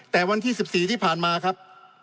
แต่วันที่๑๔ที่ผ่านมาครับ